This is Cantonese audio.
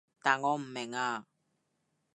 但我唔明啊